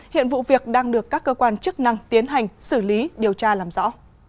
hiện vụ việc đang được các cơ quan chức năng tiến hành xử lý điều tra làm rõ